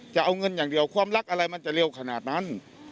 จะเอาเงินอย่างเดียวความรักอะไรมันจะเร็วขนาดนั้น